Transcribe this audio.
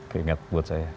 keingat buat saya